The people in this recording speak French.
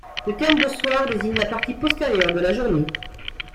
Le terme de soir désigne la partie postérieure de la journée.